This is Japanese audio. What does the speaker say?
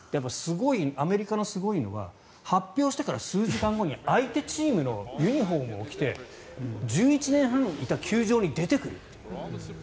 アメリカのすごいのは発表してから数時間後に相手チームのユニホームを着て１１年半いた球場に出てくるという。